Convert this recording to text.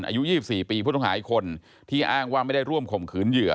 อายุ๒๔ปีผู้ต้องหาอีกคนที่อ้างว่าไม่ได้ร่วมข่มขืนเหยื่อ